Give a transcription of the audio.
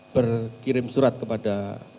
berkirim surat kepada